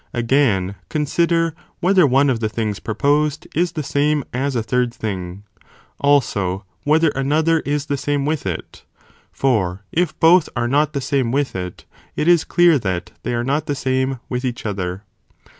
i ton Again consider, whether one (of the things each is equiva Proposed) is the same (as a third thing), also whe lent tothesame ther another (is the same with it), for if both are ε. eee ee not the same with it, it is clear that (they are not the same) with each other.